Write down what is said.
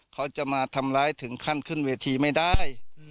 เขาจะมาทำร้ายถึงขั้นขึ้นเวทีไม่ได้